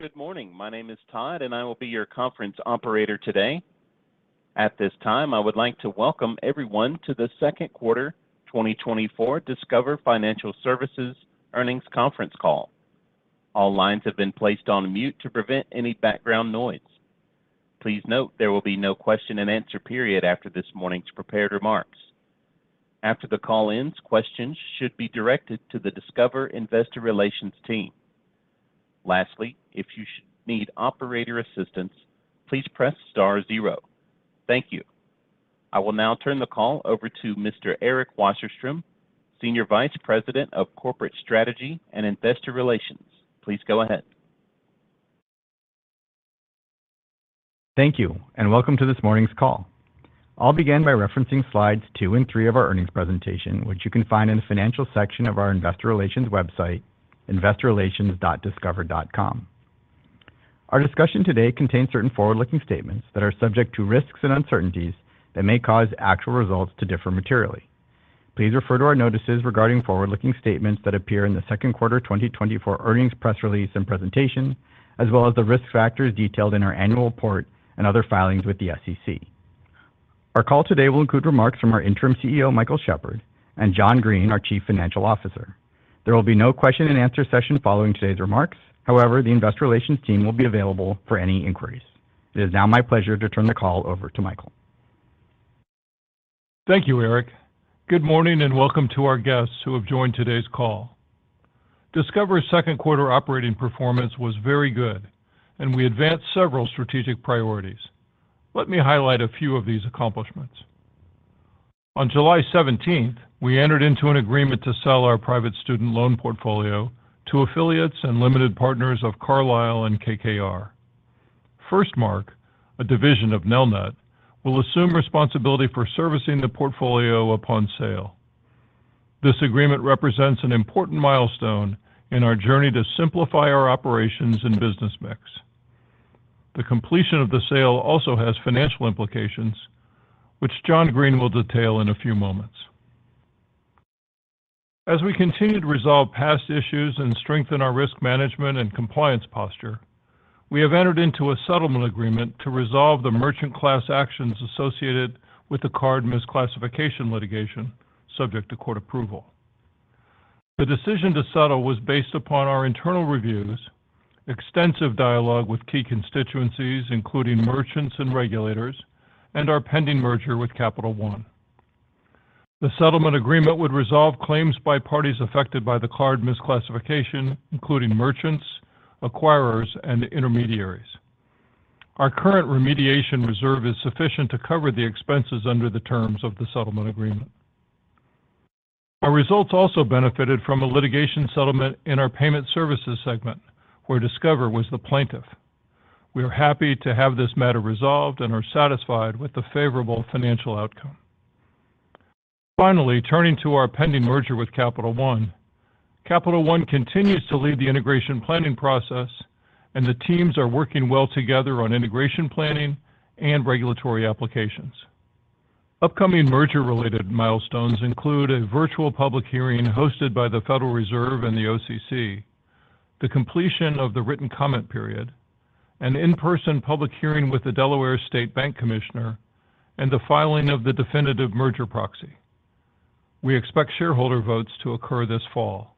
Good morning. My name is Todd, and I will be your conference operator today. At this time, I would like to welcome everyone to the second quarter 2024 Discover Financial Services earnings conference call. All lines have been placed on mute to prevent any background noise. Please note there will be no question-and-answer period after this morning's prepared remarks. After the call ends, questions should be directed to the Discover Investor Relations team. Lastly, if you need operator assistance, please press star zero. Thank you. I will now turn the call over to Mr. Eric Wasserstrom, Senior Vice President of Corporate Strategy and Investor Relations. Please go ahead. Thank you, and welcome to this morning's call. I'll begin by referencing slides two and three of our earnings presentation, which you can find in the financial section of our Investor Relations website, investorrelations.discover.com. Our discussion today contains certain forward-looking statements that are subject to risks and uncertainties that may cause actual results to differ materially. Please refer to our notices regarding forward-looking statements that appear in the second quarter 2024 earnings press release and presentation, as well as the risk factors detailed in our annual report and other filings with the SEC. Our call today will include remarks from our Interim CEO, Michael Shepherd, and John Greene, our Chief Financial Officer. There will be no question-and-answer session following today's remarks. However, the investor relations team will be available for any inquiries. It is now my pleasure to turn the call over to Michael. Thank you, Eric. Good morning, and welcome to our guests who have joined today's call. Discover's second quarter operating performance was very good, and we advanced several strategic priorities. Let me highlight a few of these accomplishments. On July, 17th we entered into an agreement to sell our private student loan portfolio to affiliates and limited partners of Carlyle and KKR. Firstmark, a division of Nelnet, will assume responsibility for servicing the portfolio upon sale. This agreement represents an important milestone in our journey to simplify our operations and business mix. The completion of the sale also has financial implications, which John Greene will detail in a few moments. As we continue to resolve past issues and strengthen our risk management and compliance posture, we have entered into a settlement agreement to resolve the merchant class actions associated with the card misclassification litigation, subject to court approval. The decision to settle was based upon our internal reviews, extensive dialogue with key constituencies, including merchants and regulators, and our pending merger with Capital One. The settlement agreement would resolve claims by parties affected by the card misclassification, including merchants, acquirers, and intermediaries. Our current remediation reserve is sufficient to cover the expenses under the terms of the settlement agreement. Our results also benefited from a litigation settlement in our payment services segment, where Discover was the plaintiff. We are happy to have this matter resolved and are satisfied with the favorable financial outcome. Finally, turning to our pending merger with Capital One, Capital One continues to lead the integration planning process, and the teams are working well together on integration planning and regulatory applications. Upcoming merger-related milestones include a virtual public hearing hosted by the Federal Reserve and the OCC, the completion of the written comment period, an in-person public hearing with the Delaware State Bank Commissioner, and the filing of the definitive merger proxy. We expect shareholder votes to occur this fall.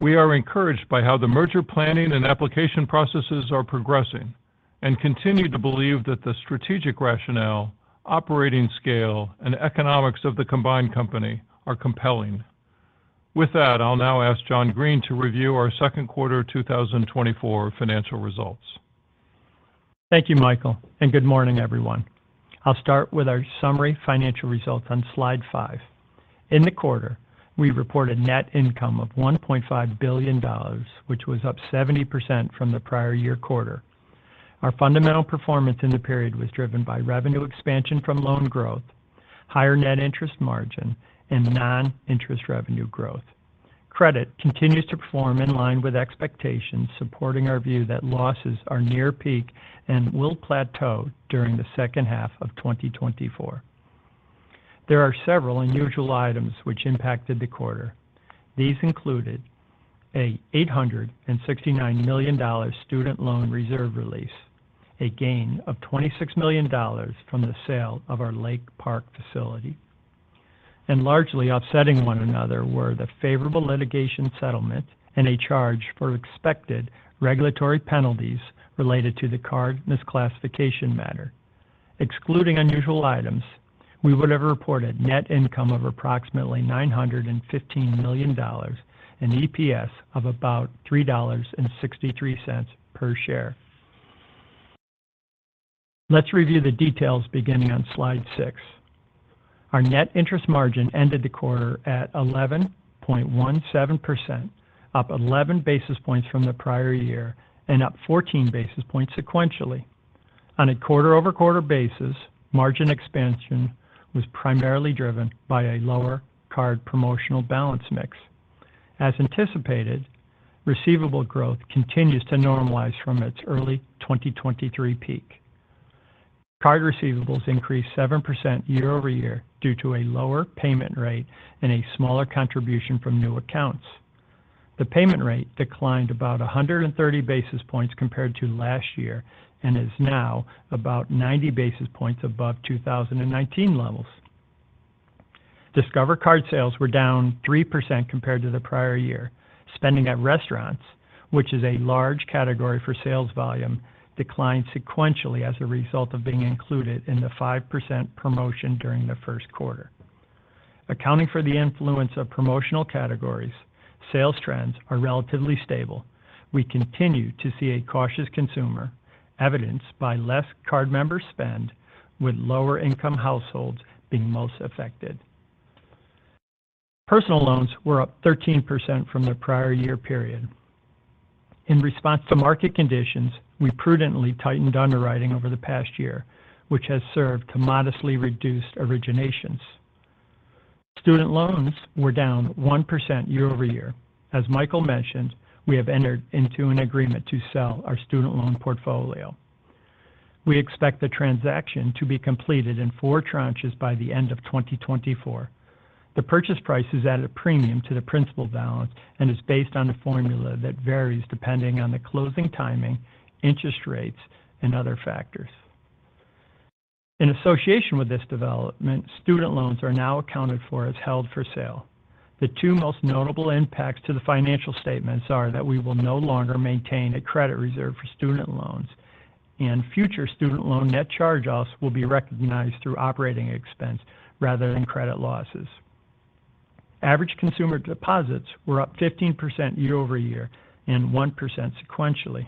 We are encouraged by how the merger planning and application processes are progressing and continue to believe that the strategic rationale, operating scale, and economics of the combined company are compelling. With that, I'll now ask John Greene to review our second quarter 2024 financial results. Thank you, Michael, and good morning, everyone. I'll start with our summary financial results on slide five. In the quarter, we reported net income of $1.5 billion, which was up 70% from the prior year quarter. Our fundamental performance in the period was driven by revenue expansion from loan growth, higher net interest margin, and non-interest revenue growth. Credit continues to perform in line with expectations, supporting our view that losses are near peak and will plateau during the second half of 2024. There are several unusual items which impacted the quarter. These included a $869 million student loan reserve release, a gain of $26 million from the sale of our Lake Park facility, and largely offsetting one another were the favorable litigation settlement and a charge for expected regulatory penalties related to the card misclassification matter. Excluding unusual items, we would have reported net income of approximately $915 million and EPS of about $3.63 per share. Let's review the details beginning on slide six. Our net interest margin ended the quarter at 11.17%, up 11 basis points from the prior year and up 14 basis points sequentially. On a quarter-over-quarter basis, margin expansion was primarily driven by a lower card promotional balance mix. As anticipated, receivable growth continues to normalize from its early 2023 peak.... Card receivables increased 7% year over year due to a lower payment rate and a smaller contribution from new accounts. The payment rate declined about 130 basis points compared to last year, and is now about 90 basis points above 2019 levels. Discover Card sales were down 3% compared to the prior year. Spending at restaurants, which is a large category for sales volume, declined sequentially as a result of being included in the 5% promotion during the first quarter. Accounting for the influence of promotional categories, sales trends are relatively stable. We continue to see a cautious consumer, evidenced by less card member spend, with lower income households being most affected. Personal loans were up 13% from the prior year period. In response to market conditions, we prudently tightened underwriting over the past year, which has served to modestly reduce originations. Student loans were down 1% year over year. As Michael mentioned, we have entered into an agreement to sell our student loan portfolio. We expect the transaction to be completed in four tranches by the end of 2024. The purchase price is at a premium to the principal balance and is based on a formula that varies depending on the closing timing, interest rates, and other factors. In association with this development, student loans are now accounted for as held for sale. The two most notable impacts to the financial statements are that we will no longer maintain a credit reserve for student loans, and future student loan net charge-offs will be recognized through operating expense rather than credit losses. Average consumer deposits were up 15% year-over-year and 1% sequentially.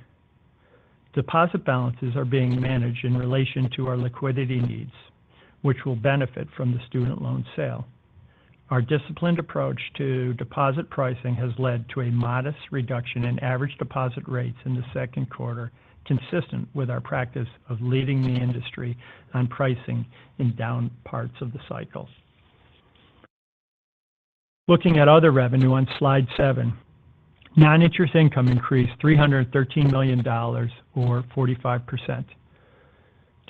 Deposit balances are being managed in relation to our liquidity needs, which will benefit from the student loan sale. Our disciplined approach to deposit pricing has led to a modest reduction in average deposit rates in the second quarter, consistent with our practice of leading the industry on pricing in down parts of the cycle. Looking at other revenue on slide seven, non-interest income increased $313 million or 45%.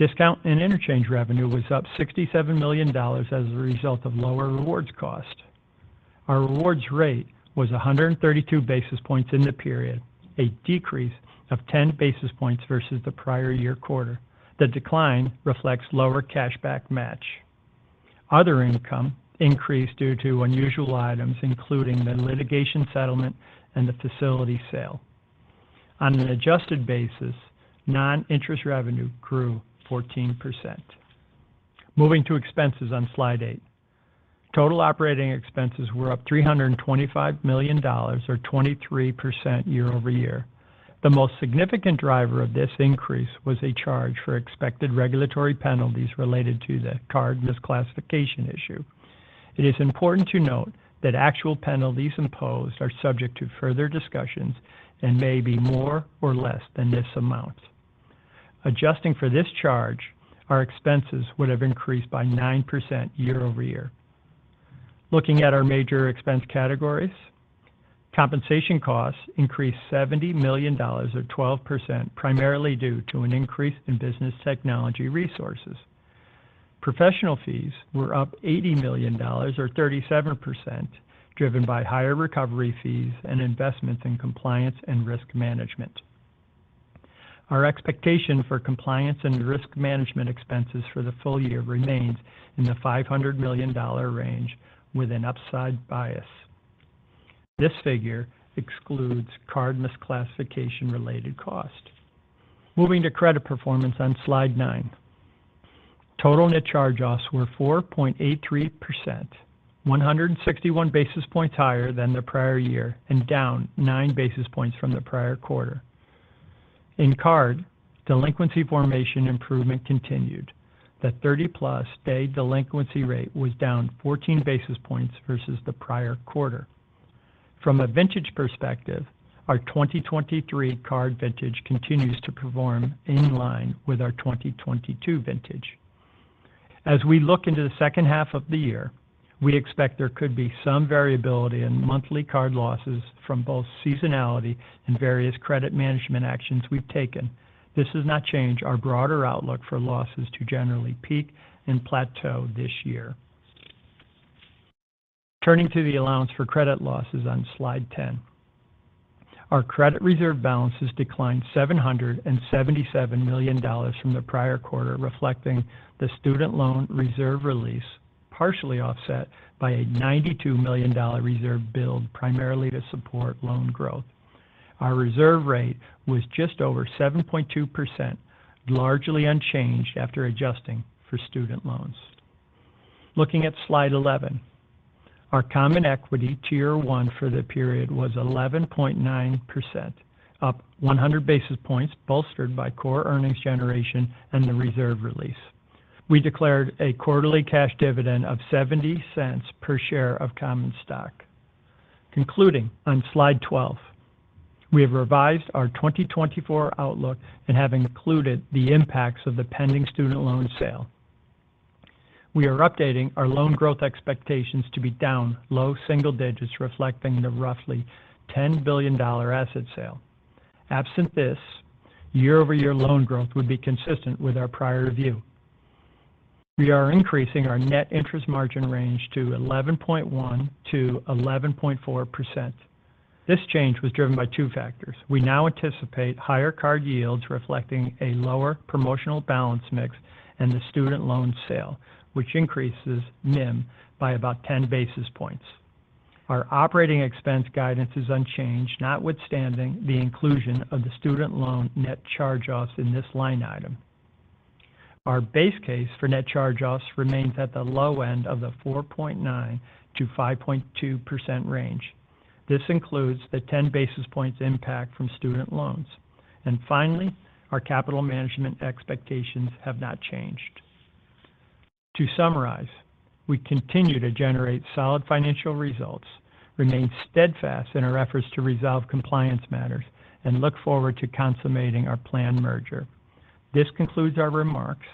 Discount and interchange revenue was up $67 million as a result of lower rewards cost. Our rewards rate was 132 basis points in the period, a decrease of 10 basis points versus the prior year quarter. The decline reflects lower Cashback Match. Other income increased due to unusual items, including the litigation settlement and the facility sale. On an adjusted basis, non-interest revenue grew 14%. Moving to expenses on slide eight. Total operating expenses were up $325 million, or 23% year over year. The most significant driver of this increase was a charge for expected regulatory penalties related to the card misclassification issue. It is important to note that actual penalties imposed are subject to further discussions and may be more or less than this amount. Adjusting for this charge, our expenses would have increased by 9% year-over-year. Looking at our major expense categories, compensation costs increased $70 million or 12%, primarily due to an increase in business technology resources. Professional fees were up $80 million or 37%, driven by higher recovery fees and investments in compliance and risk management. Our expectation for compliance and risk management expenses for the full year remains in the $500 million range with an upside bias. This figure excludes card misclassification related cost. Moving to credit performance on slide nine. Total net charge-offs were 4.83%, 161 basis points higher than the prior year, and down 9 basis points from the prior quarter. In card, delinquency formation improvement continued. The 30+ day delinquency rate was down 14 basis points versus the prior quarter. From a vintage perspective, our 2023 card vintage continues to perform in line with our 2022 vintage. As we look into the second half of the year, we expect there could be some variability in monthly card losses from both seasonality and various credit management actions we've taken. This does not change our broader outlook for losses to generally peak and plateau this year. Turning to the allowance for credit losses on slide 10. Our credit reserve balances declined $777 million from the prior quarter, reflecting the student loan reserve release, partially offset by a $92 million reserve build, primarily to support loan growth. Our reserve rate was just over 7.2%, largely unchanged after adjusting for student loans. Looking at slide 11, our Common Equity Tier 1 for the period was 11.9%, up 100 basis points, bolstered by core earnings generation and the reserve release. We declared a quarterly cash dividend of $0.70 per share of common stock. Concluding on slide 12, we have revised our 2024 outlook and have included the impacts of the pending student loan sale. We are updating our loan growth expectations to be down low single digits, reflecting the roughly $10 billion asset sale. Absent this, year-over-year loan growth would be consistent with our prior view. We are increasing our net interest margin range to 11.1%-11.4%. This change was driven by two factors. We now anticipate higher card yields, reflecting a lower promotional balance mix and the student loan sale, which increases NIM by about 10 basis points. Our operating expense guidance is unchanged, notwithstanding the inclusion of the student loan net charge-offs in this line item. Our base case for net charge-offs remains at the low end of the 4.9%-5.2% range. This includes the 10 basis points impact from student loans. And finally, our capital management expectations have not changed. To summarize, we continue to generate solid financial results, remain steadfast in our efforts to resolve compliance matters, and look forward to consummating our planned merger. This concludes our remarks.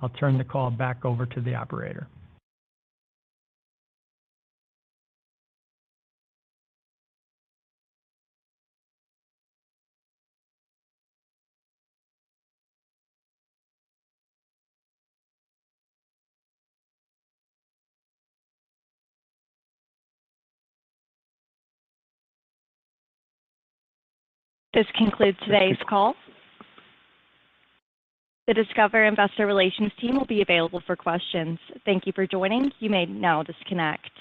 I'll turn the call back over to the operator. This concludes today's call. The Discover Investor Relations team will be available for questions. Thank you for joining. You may now disconnect.